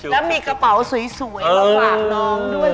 แล้วมีกระเป๋าสวยมาฝากน้องด้วย